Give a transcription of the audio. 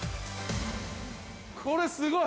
◆これ、すごい。